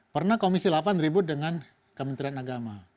pernah komisi delapan ribut dengan kementerian agama